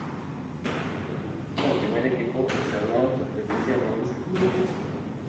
Tras el debut con el primer equipo, alternó su presencia en ambas categorías.